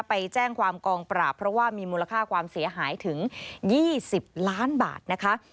ไปแจ้งความกองปราบเพราะว่ามีมูลค่าความเสียหายถึง๒๐ล้านบาทนะคะ